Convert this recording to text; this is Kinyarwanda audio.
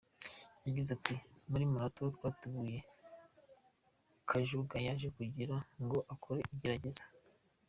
Yagize ati "Muri Marato twateguye, Kajuga yaje kugira ngo akore igerageza.